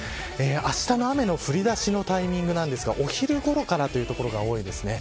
あしたの雨の降りだしのタイミングなんですがお昼ごろからという所が多いです。